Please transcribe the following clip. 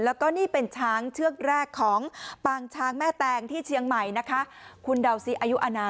แล้วก็นี่เป็นช้างเชือกแรกของปางช้างแม่แตงที่เชียงใหม่นะคะ